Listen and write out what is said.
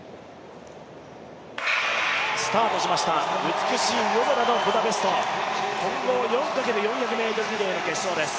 美しい夜空のブダペスト混合４×４００ｍリレーの決勝です。